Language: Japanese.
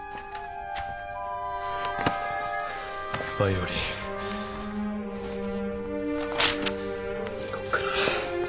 バイオリンこっから。